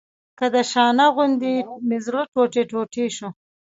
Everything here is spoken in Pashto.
که د شانه غوندې مې زړه ټوټې ټوټې شو.